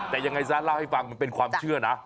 แต่ยังไงซะเล่าให้ฟังมันเป็นความเชื่อนะ